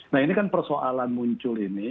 nah ini kan persoalan muncul ini